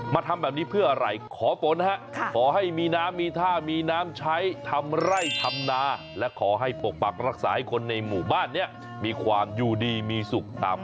มาทำแบบนี้เพื่ออะไรเขาขอฝนนะครับขอให้มีน้ำมีถ้า